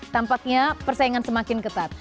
tampaknya persaingan semakin ketat